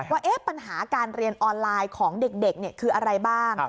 ว่าปัญหาการเรียนออนไลน์ของเด็กคืออะไรบ้าง